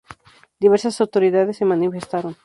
Diversas autoridades se manifestaron.